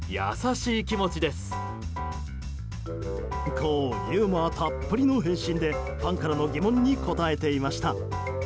こうユーモアたっぷりの返信でファンからの疑問に答えていました。